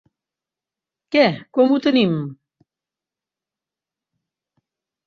Què, com ho tenim?